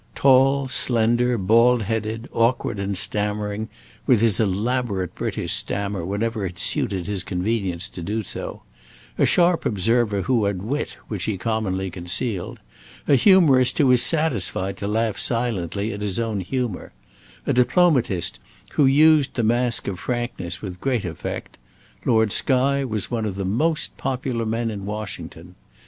Tall, slender, bald headed, awkward, and stammering with his elaborate British stammer whenever it suited his convenience to do so; a sharp observer who had wit which he commonly concealed; a humourist who was satisfied to laugh silently at his own humour; a diplomatist who used the mask of frankness with great effect; Lord Skye was one of the most popular men in Washington.